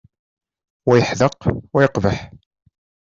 Wa yeḥdeq wa yeqbeḥ.